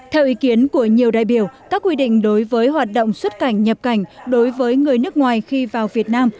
theo ý kiến của nhiều đại biểu các quy định đối với hoạt động xuất cảnh nhập cảnh đối với người nước ngoài khi vào việt nam